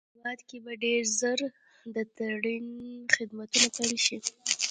هېواد کې به ډېر زر د ټرېن خدمتونه پېل شي